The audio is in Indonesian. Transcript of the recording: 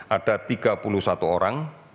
ada tiga puluh satu orang